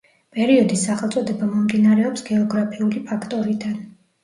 პერიოდის სახელწოდება მომდინარეობს გეოგრაფიული ფაქტორიდან.